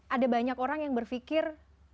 ada banyak orang yang berpikir